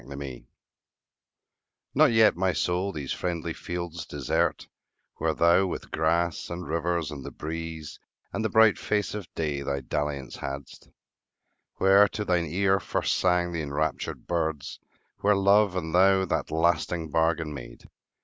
XXIV NOT yet, my soul, these friendly fields desert, Where thou with grass, and rivers, and the breeze, And the bright face of day, thy dalliance hadst; Where to thine ear first sang the enraptured birds; Where love and thou that lasting bargain made.